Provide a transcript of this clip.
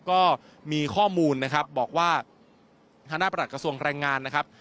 ก็มีข้อมูลนะครับบอกว่าทางด้านประหลักกระทรวงแรงงานนะครับ